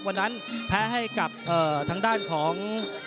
วันนั้นแพ้ให้กับทางด้านของ